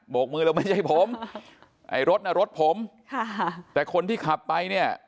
กมือแล้วไม่ใช่ผมไอ้รถน่ะรถผมค่ะแต่คนที่ขับไปเนี่ย